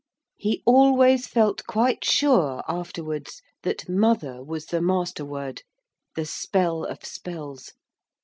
He always felt quite sure afterwards that 'Mother' was the master word, the spell of spells.